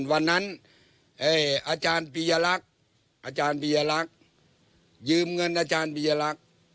วันนั้นอาจารย์ปียลักษณ์ยืมเงินอาจารย์ปียลักษณ์